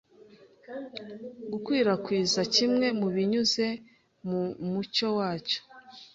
Gukwirakwiza kimwe binyuze mu mucyo wacyo